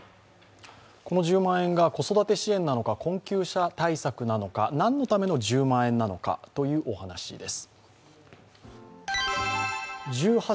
この１０万円が子育て支援なのか困窮者対策なのか、なんのための１０万円なのかというお話です。